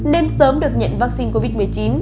nên sớm được nhận vaccine covid một mươi chín